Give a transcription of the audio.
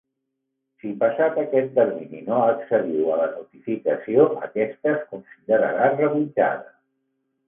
Si passat aquest termini no accediu a la notificació, aquesta es considerarà rebutjada.